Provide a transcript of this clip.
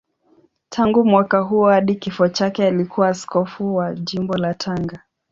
Tangu mwaka huo hadi kifo chake alikuwa askofu wa Jimbo la Tanga.